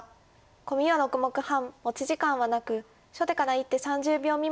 コミは６目半持ち時間はなく初手から１手３０秒未満で打って頂きます。